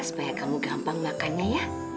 supaya kamu gampang makannya ya